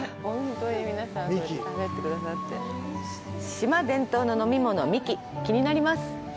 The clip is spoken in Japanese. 島伝統の飲み物「みき」気になります。